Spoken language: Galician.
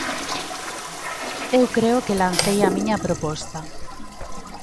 Eu creo que lancei a miña proposta.